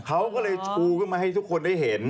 เขาก็เลยชูขึ้นมาให้ทุกคนได้เห็น